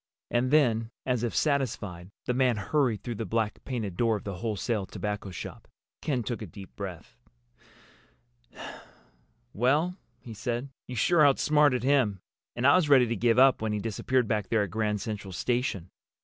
And then, as if satisfied, the man hurried through the black painted door of the wholesale tobacco shop. Ken took a deep breath. "Well," he said, "you sure outsmarted him! And I was ready to give up when he disappeared back there at Grand Central Station.